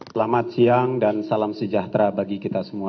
selamat siang dan salam sejahtera bagi kita semua